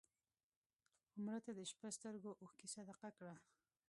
مړه ته د شپه سترګو اوښکې صدقه کړه